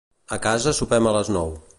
A casa sopem a les nou.